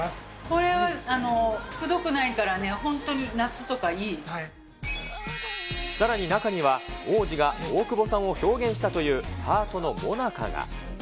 これはくどくないからね、さらに、中には王子が大久保さんを表現したというハートのもなかが。